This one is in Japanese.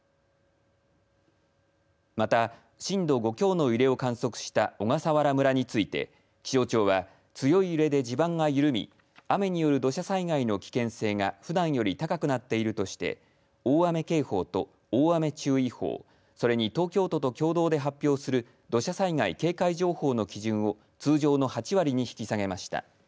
また、震度５強の揺れを観測した小笠原村について気象庁は、強い揺れで地盤が緩み雨による土砂災害の危険性がふだんより高くなっているとして大雨警報と大雨注意報それに東京都と共同で発表する土砂災害警戒情報の基準を通常の８割に引き下げました。